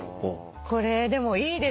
これでもいいですね。